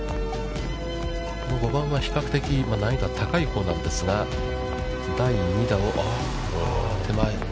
５番は比較的、難易度は高いほうなんですが、第２打を手前。